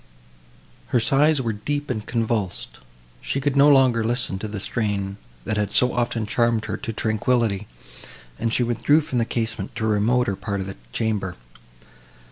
Her sighs were deep and convulsed; she could no longer listen to the strain, that had so often charmed her to tranquillity, and she withdrew from the casement to a remote part of the chamber.